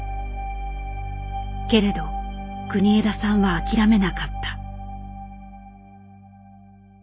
けれど国枝さんは諦めなかった。